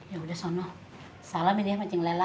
ya udah sono salam ini ya sama icing lela